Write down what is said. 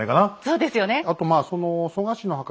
そうですよね！